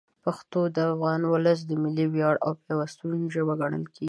پښتو د افغان ولس د ملي ویاړ او پیوستون ژبه ګڼل کېږي.